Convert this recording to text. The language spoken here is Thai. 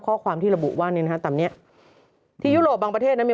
ข้อความที่ระบุว่านี่นะฮะตามเนี้ยที่ยุโรปบางประเทศนั้นมี